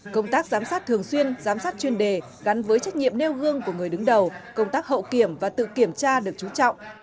công tác giám sát thường xuyên giám sát chuyên đề gắn với trách nhiệm nêu gương của người đứng đầu công tác hậu kiểm và tự kiểm tra được trú trọng